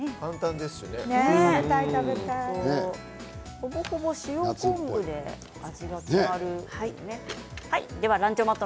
ほぼほぼ塩昆布で味が決まる。